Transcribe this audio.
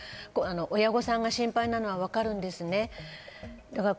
親御さんが心配なのはわかるんですね。